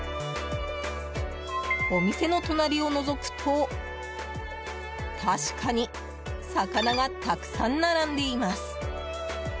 お店の隣をのぞくと確かに魚がたくさん並んでいます。